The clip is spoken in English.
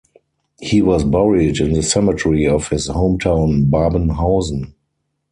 He was buried in the cemetery of his hometown Babenhausen.